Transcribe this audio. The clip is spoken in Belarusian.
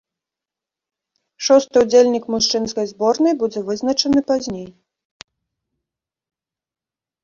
Шосты ўдзельнік мужчынскай зборнай будзе вызначаны пазней.